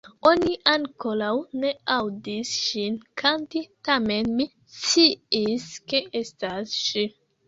Oni ankoraŭ ne aŭdis ŝin kanti tamen mi sciis ke estas ŝi".